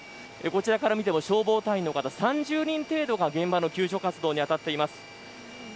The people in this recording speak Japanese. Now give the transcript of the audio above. こちらから見ても消防隊員の方３０人程度が現場の救助活動に当たっています。